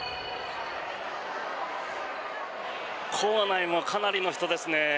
構内もかなりの人ですね。